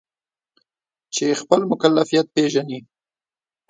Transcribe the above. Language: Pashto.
چې خپل مکلفیت پیژني.